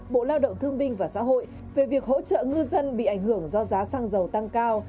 bộ lao động thương binh và xã hội về việc hỗ trợ ngư dân bị ảnh hưởng do giá xăng dầu tăng cao